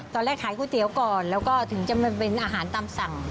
ขายก๋วยเตี๋ยวก่อนแล้วก็ถึงจะมาเป็นอาหารตามสั่ง